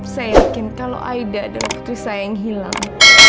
saya yakin kalau aida dan putri saya yang hilang